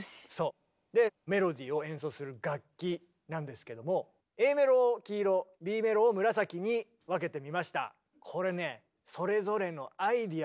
でメロディーを演奏する楽器なんですけどもＡメロを黄色Ｂメロを紫に分けてみました。